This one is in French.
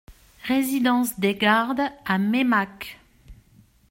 Résidence des Gardes à Meymac